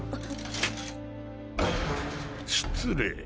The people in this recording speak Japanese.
失礼。